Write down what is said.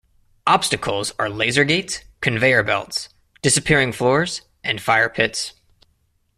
Obstacles are laser gates, conveyor belts, disappearing floors and fire pits.